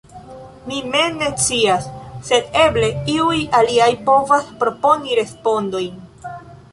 Mi mem ne scias, sed eble iuj aliaj povas proponi respondojn.